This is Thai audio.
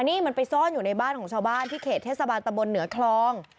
นี่มันไปซ่อนอยู่ในบ้านของชาวบ้านที่เขตเทศบาลตะบนเหนือคลอง